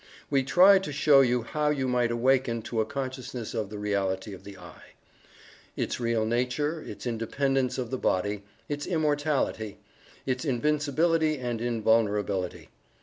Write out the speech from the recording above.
We tried to show you how you might awaken to a consciousness of the reality of the "I"; its real nature; its independence of the body; its immortality; its invincibility and invulnerability.